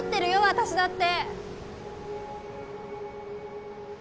私だって！